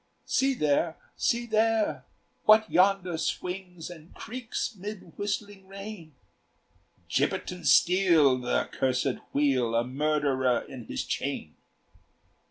"See there, see there! What yonder swings And creaks 'mid whistling rain?" "Gibbet and steel, th' accursed wheel, A murderer in his chain.